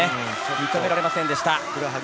認められませんでした。